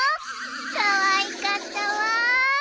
かわいかったわ。